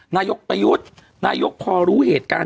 นายกประยุทธ์นายกพอรู้เหตุการณ์